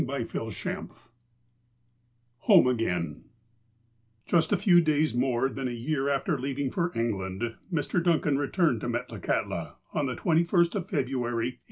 XXVIII HOME AGAIN JUST a few days more than a year after leaving for England Mr. Duncan returned to Metlakahtla, on the 21st of February, 1871.